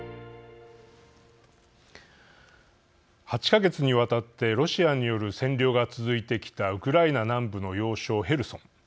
８か月にわたってロシアによる占領が続いてきたウクライナ南部の要衝ヘルソン。